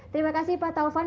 terima kasih pak taufan